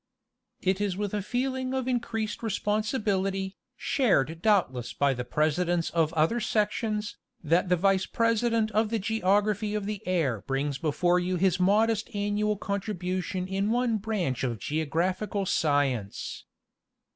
It is with a feeling of increased responsibility, shared doubtless by the Presidents of other sections, that the Vice President of the Geography of the Air brings before you his modest annual contribution in one branch of geographical science.